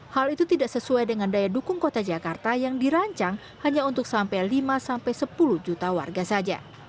hal itu tidak sesuai dengan daya dukung kota jakarta yang dirancang hanya untuk sampai lima sepuluh juta warga saja